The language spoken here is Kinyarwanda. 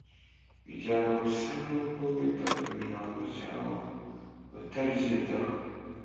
Bijyana gusa n’uko wita ku Ijambo cyangwa utaryitaho